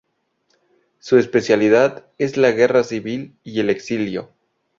Su especialidad es la Guerra Civil y el exilio.